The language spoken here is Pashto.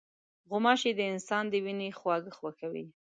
غوماشې د انسان د وینې خواږه خوښوي.